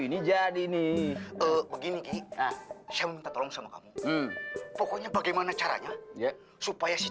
ini jadi ini begini saya minta tolong sama kamu pokoknya bagaimana caranya ya supaya si